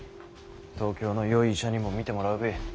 東京のよい医者にも診てもらうべぇ。